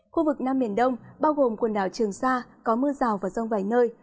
khu vực nam biển đông bao gồm quần đảo trường sa có mưa rào và rông vài nơi